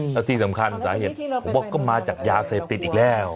แล้วที่สำคัญสาเหตุผมว่าก็มาจากยาเสพติดอีกแล้ว